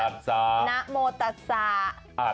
นโมตัดสา